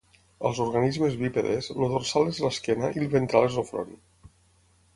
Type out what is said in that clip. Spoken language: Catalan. Als organismes bípedes, el dorsal és l'esquena i el ventral és el front.